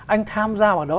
anh tham gia vào đó